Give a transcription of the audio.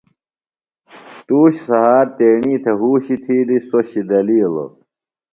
توش سھات تیݨی تھےۡ ہوشی تھِیلیۡ سو شِدلیلیو۔